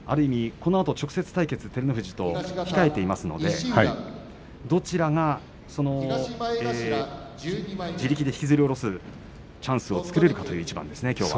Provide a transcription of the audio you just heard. このあと直接対決照ノ富士と控えていますのでどちらが自力で引きずり降ろすチャンスを作れるかという一番ですね、きょうは。